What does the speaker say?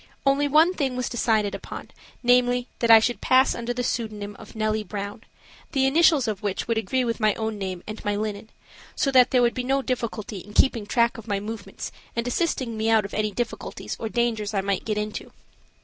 Only one thing was decided upon, namely, that I should pass under the pseudonym of Nellie Brown, the initials of which would agree with my own name and my linen, so that there would be no difficulty in keeping track of my movements and assisting me out of any difficulties or dangers I might get into.